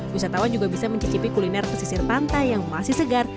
wisatawan juga bisa mencicipi kuliner pesisir pantai yang masih segar